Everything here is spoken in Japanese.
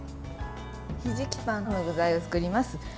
ひじきパンの具材を作ります。